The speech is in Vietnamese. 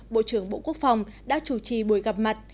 bộ trưởng bộ quốc phòng đã chủ trì buổi gặp mặt